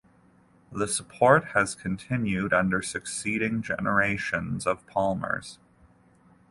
The support has continued under succeeding generations of Palmers.